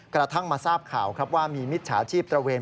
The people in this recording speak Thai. กระทั่งมาทราบข่าวครับว่ามีมิจฉาชีพตระเวน